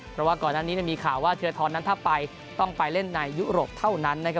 เพราะว่าก่อนหน้านี้มีข่าวว่าธิรฐรนั้นถ้าไปต้องไปเล่นในยุโรปเท่านั้นนะครับ